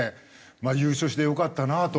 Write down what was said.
まあ優勝してよかったなと。